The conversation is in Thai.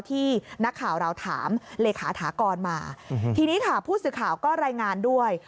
ที่นักข่าวเราถามเลขาถากรมาทีนี้ค่ะผู้สื่อข่าวก็รายงานด้วย